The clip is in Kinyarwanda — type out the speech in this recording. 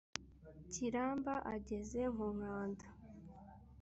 kiramba ageze nkonkanda,